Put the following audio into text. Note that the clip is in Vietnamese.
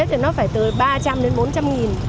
thì nó phải từ ba trăm linh đến bốn trăm linh nghìn